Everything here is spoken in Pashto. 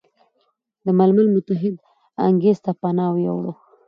د ملل متحد انګړ ته پناه ویوړه،